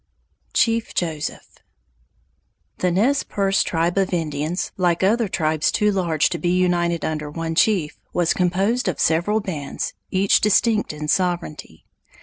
CHIEF JOSEPH The Nez Perce tribe of Indians, like other tribes too large to be united under one chief, was composed of several bands, each distinct in sovereignty.